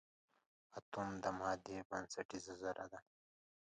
اټوم د مادې بنسټیزه ذره ده.